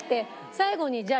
最後にじゃあ